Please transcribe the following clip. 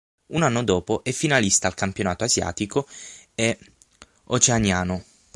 Un anno dopo è finalista al campionato asiatico e oceaniano.